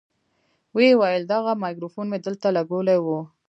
ويې ويل دغه ميکروفون مې دلته لګولى و.